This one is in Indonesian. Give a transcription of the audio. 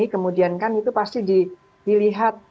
kemudian kan itu pasti dilihat